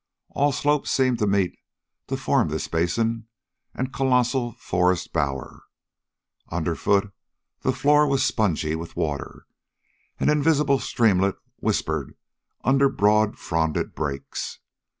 All slopes seemed to meet to form this basin and colossal forest bower. Underfoot the floor was spongy with water. An invisible streamlet whispered under broad fronded brakes.